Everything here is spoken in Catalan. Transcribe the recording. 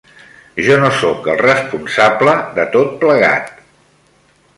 Jo no soc el responsable de tot plegat.